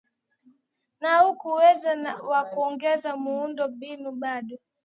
na huku uwezo wa kuongeza muindo mbinu bado